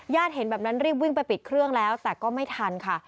เห็นแบบนั้นรีบวิ่งไปปิดเครื่องแล้วแต่ก็ไม่ทันค่ะ